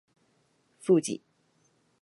Fuji.